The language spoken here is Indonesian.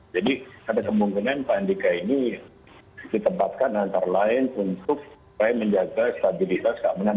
jadi ada kemungkinan pak ndika ini ditempatkan antara lain untuk menjaga stabilitas kamar